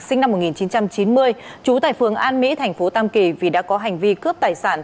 sinh năm một nghìn chín trăm chín mươi trú tại phường an mỹ thành phố tam kỳ vì đã có hành vi cướp tài sản